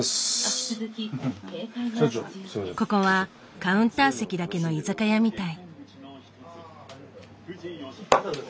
ここはカウンター席だけの居酒屋みたい。